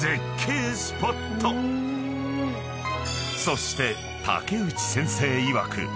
［そして竹内先生いわく